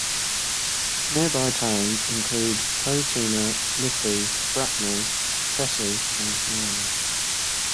Nearby towns include Poatina, Liffey, Bracknell, Cressy and Miena.